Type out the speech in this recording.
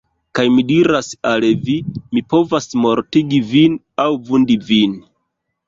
Kaj mi diras al vi, mi povas mortigi vin aŭ vundi vin!